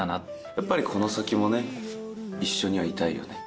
やっぱりこの先もね、一緒にはいたいよね。